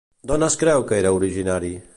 D'on es creu que era originari?